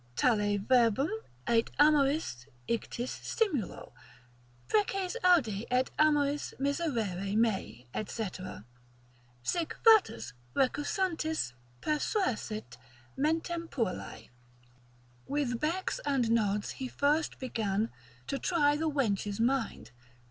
Tale verbum ait amoris ictus stimulo, Preces audi et amoris miserere mei, &c. Sic fatus recusantis persuasit mentem puellae. With becks and nods he first began To try the wench's mind.